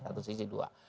satu sisi dua